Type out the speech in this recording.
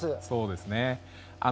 そうですね。